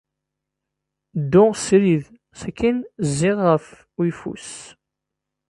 Ddu srid, sakkin zzi ɣef uyeffus.